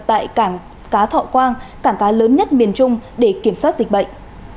tại cảng cá thọ quang cảng cá lớn nhất miền trung để kiểm soát dịch bệnh